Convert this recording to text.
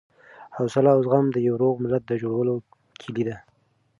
حوصله او زغم د یوه روغ ملت د جوړولو کیلي ده.